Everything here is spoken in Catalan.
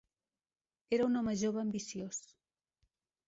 Era un home jove ambiciós.